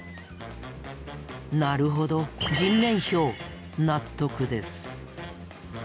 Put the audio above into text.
なるほど人面豹納得です。